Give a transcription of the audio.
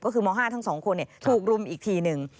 ก็คือม๕ทั้งสองคนถูกลุ่มอีกทีนึง